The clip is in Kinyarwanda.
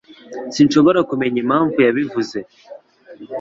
Sinshobora kumenya impamvu yabivuze